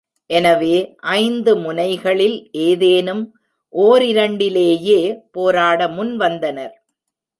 எனவே ஐந்து முனைகளில் ஏதேனும் ஒரிரண்டிலேயே போராட முன்வந்தனர்.